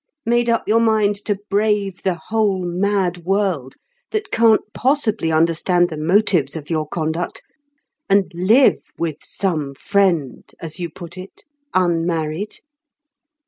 made up your mind to brave the whole mad world, that can't possibly understand the motives of your conduct, and live with some friend, as you put it, unmarried?"